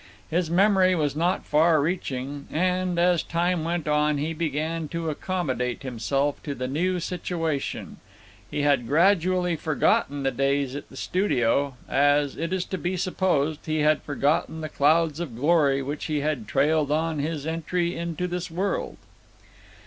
His memory was not far reaching, and, as time went on and he began to accommodate himself to the new situation, he had gradually forgotten the days at the studio, as, it is to be supposed, he had forgotten the clouds of glory which he had trailed on his entry into this world.